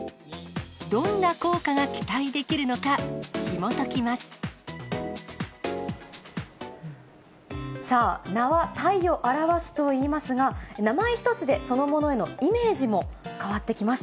どんな効果が期待できるのか、さあ、名は体を表すといいますが、名前一つで、そのものへのイメージも変わってきます。